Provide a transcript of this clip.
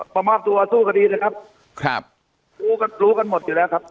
ประมาทตัวสู้กันดีนะครับครับรู้กันหมดอยู่แล้วครับ